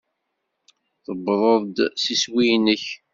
Tuwḍeḍ s iswi-nnek.